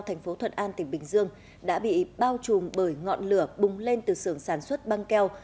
thành phố thuận an tỉnh bình dương đã bị bao trùm bởi ngọn lửa bùng lên từ sưởng sản xuất băng keo